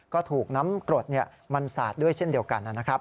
ก็ถูกน้ำกรดมันสาดด้วยเช่นเดียวกันนะครับ